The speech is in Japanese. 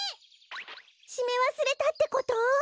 しめわすれたってこと！？